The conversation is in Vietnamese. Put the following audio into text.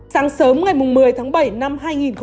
sáng sớm ngày một mươi tháng bảy năm hai nghìn hai mươi